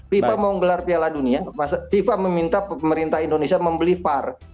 fifa mau menggelar piala dunia fifa meminta pemerintah indonesia membeli var